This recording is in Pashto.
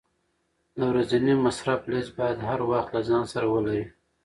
د ورځني مصرف لیست باید هر وخت له ځان سره ولرې.